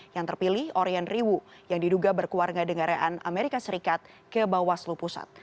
yang terpilih orien riwu yang diduga berkeluarga dengaran amerika serikat ke bawaslu pusat